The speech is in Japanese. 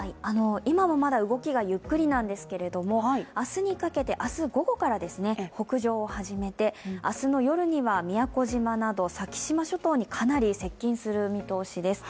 今はまだ動きがゆっくりなんですけれども明日にかけて明日午後から北上を始めて明日の夜には宮古島など先島諸島にかなり接近する見通しです。